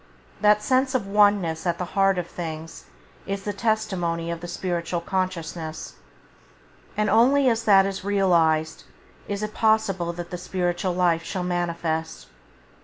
That sense of a oneness at the heart of things is the testimony of the spiritual consciousness, and only as that is realized is it possible that the spiritual life shall manifest.